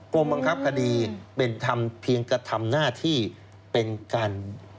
กรมบังคับคดีเป็นทำเพียงกระทำหน้าที่เป็นการ